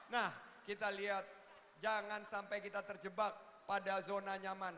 nah kita lihat jangan sampai kita terjebak pada zona nyaman